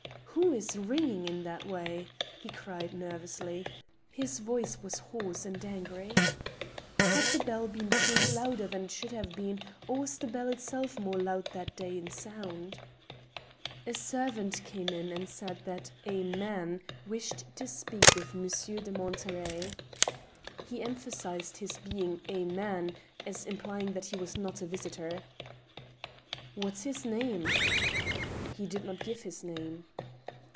" Who is ringing in that way ?" he cried, nervously. His voice was hoarse and angry. Had the bell been pulled louder than it should have been, or was the bell itself more loud that day in sound ? A servant came in and said that a man wished to speak with Monsieur de Monterey. He emphasized his being a man, as implying that he was not a visitor. " What's his name ?"" He did not give his name."